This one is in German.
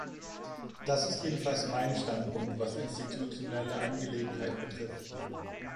Das ist jedenfalls mein Standpunkt, was institutionelle Angelegenheit betrifft.